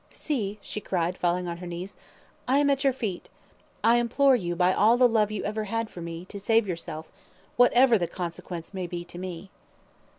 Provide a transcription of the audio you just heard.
See," she cried, falling on her knees, "I am at your feet I implore you by all the love you ever had for me, to save yourself, whatever the consequences may be to me."